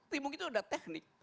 tapi mungkin itu ada teknik